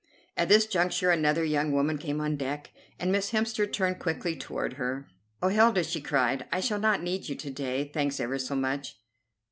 At this juncture another young woman came on deck, and Miss Hemster turned quickly toward her. "Oh, Hilda!" she cried, "I shall not need you to day. Thanks ever so much."